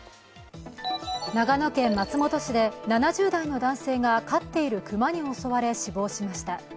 長野県松本市で７０代の男性が飼っている熊に襲われ死亡しました。